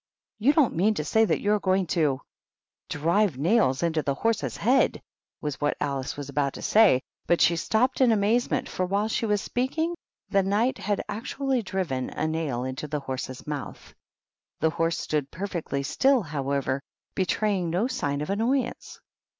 "You don't mean to say that you are going to "" drive nails into the horse's head," was what Alice was about to say, but she stopped in amazement, for while she was speaking, the Knight had actually driven a nail into his horse's mouth. The horse stood perfectly still, however, betraying no sign of annoyance.